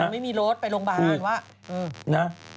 ไม่มีรถไปโรงพยาบาล